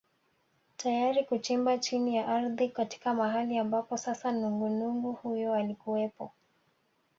Tayari kuchimba chini ya ardhi katika mahali ambapo sasa nungunungu huyo alikuwepo